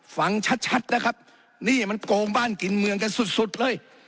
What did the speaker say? ฟังชัดนะครับนี่มันโกงบ้านกินเมืองกันสุดเลย